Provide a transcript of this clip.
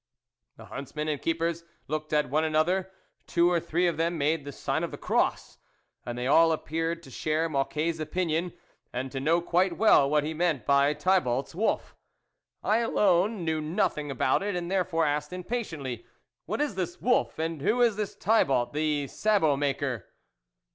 The huntsman and keepers looked at one another ; two or three of them made the sign of the cross; and they all ap peared to share Mocquet's opinion, and to know quite well what he meant by Thibault's wolf. I, alone, knew nothing about it, and therefore asked impatiently, " What is this wolf, and who is this Thibault, the sabot maker